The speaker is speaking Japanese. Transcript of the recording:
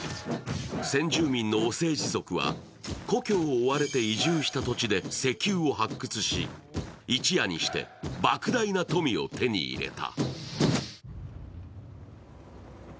先住民のオセージ族は故郷を追われて移住した土地で石油を発掘し一夜にしてばく大な富を手に入れた。